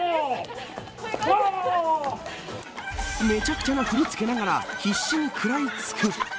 めちゃくちゃな振り付けながら必死に食らいつく。